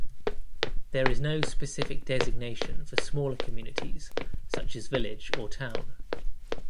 There is no specific designation for smaller communities such as "village" or "town".